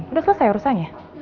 udah selesai urusannya